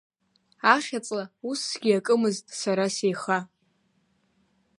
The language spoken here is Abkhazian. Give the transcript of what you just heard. Ахьаҵла уссгьы иакымызт сара сеиха.